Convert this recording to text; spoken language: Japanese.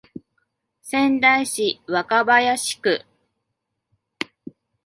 仙台市若林区